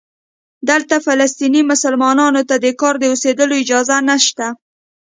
دلته فلسطینی مسلمانانو ته د کار او اوسېدلو اجازه نشته.